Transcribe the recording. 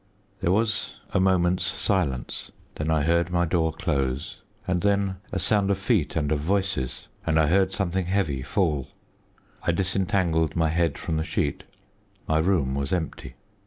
There was a moment's silence. Then I heard my door close, and then a sound of feet and of voices, and I heard something heavy fall. I disentangled my head from the sheet. My room was empty.